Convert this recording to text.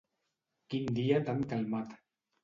Quin dia tan calmat.